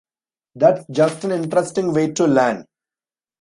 That's just an interesting way to learn.